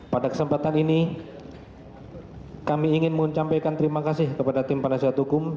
pada kesempatan ini kami ingin mencapaikan terima kasih kepada tim penasihat hukum